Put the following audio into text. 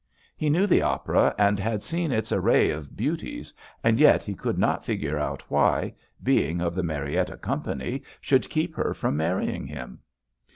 He knew the opera and had seen its array of beauties and yet he could not figure out why, being of the Marietta company should keep her from marrying him.